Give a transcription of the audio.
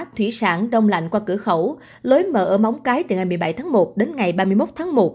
thủy sản đông lạnh qua cửa khẩu lối mở ở móng cái từ ngày một mươi bảy tháng một đến ngày ba mươi một tháng một